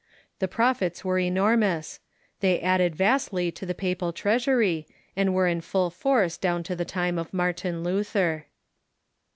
The profits were enormous. Tlicy added vastly to the papal treasury, and were in full force down to the time of JNIartin Luther.